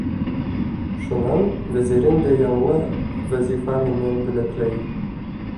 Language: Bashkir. Шунан вәзирен дә яңы вазифа менән бүләкләй.